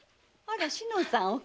あら志乃さん